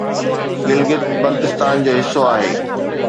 گلگت بلتستان جو حصو آهي